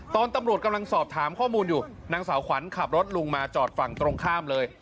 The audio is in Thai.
ตอนตำรวจกำลังสอบถามข้อมูลอยู่นางสาวขวัญขับรถลุงมาจอดฝั่งตรงข้ามเลย